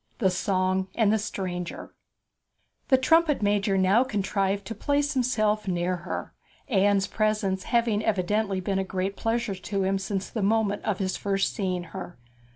THE SONG AND THE STRANGER The trumpet major now contrived to place himself near her, Anne's presence having evidently been a great pleasure to him since the moment of his first seeing her.